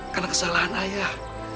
karena kesalahan ayah